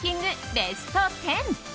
ベスト１０。